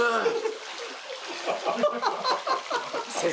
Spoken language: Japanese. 先生